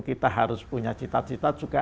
kita harus punya cita cita juga